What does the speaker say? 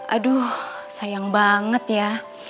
aduh sayang banget ya